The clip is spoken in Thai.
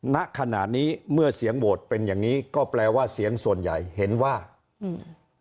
ณขณะนี้เมื่อเสียงโหวตเป็นอย่างงี้ก็แปลว่าเสียงส่วนใหญ่เห็นว่าอืม